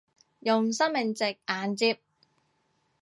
用生命值硬接